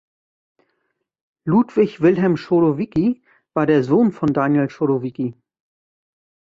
Ludwig Wilhelm Chodowiecki war der Sohn von Daniel Chodowiecki.